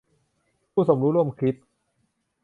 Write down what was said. ผู้สมรู้ร่วมคิด